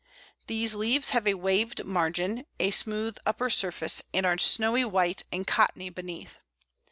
These leaves have a waved margin, a smooth upper surface, and are snowy white and cottony beneath.